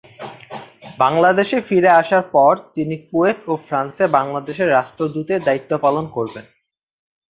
বাংলাদেশে ফিরে আসার পর তিনি কুয়েত ও ফ্রান্সে বাংলাদেশের রাষ্ট্রদূতের দায়িত্ব পালন করবেন।